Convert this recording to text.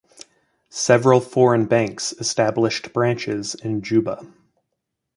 Several foreign banks established branches in Juba.